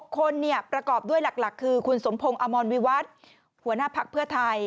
๖คนประกอบด้วยหลักคือคุณสมพงศ์อมรวิวัฒน์หัวหน้าภักดิ์เพื่อไทย